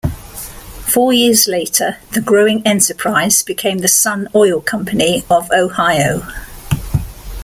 Four years later, the growing enterprise became the Sun Oil Company of Ohio.